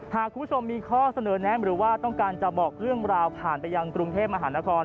หากคุณผู้ชมมีข้อเสนอแนะหรือว่าต้องการจะบอกเรื่องราวผ่านไปยังกรุงเทพมหานคร